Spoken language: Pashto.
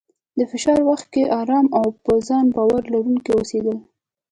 د فشار وخت کې ارام او په ځان باور لرونکی اوسېدل،